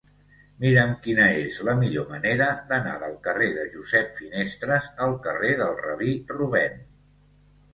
Mira'm quina és la millor manera d'anar del carrer de Josep Finestres al carrer del Rabí Rubèn.